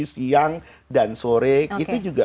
siang dan sore itu juga